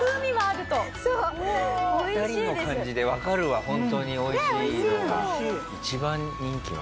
２人の感じでわかるわホントにおいしいのが。